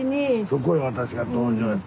そこへ私が登場や。